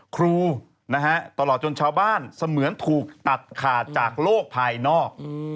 ครูนะฮะตลอดจนชาวบ้านเสมือนถูกตัดขาดจากโลกภายนอก